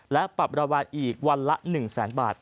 และปรับรางวัลอีกวันละ๑แสนบาท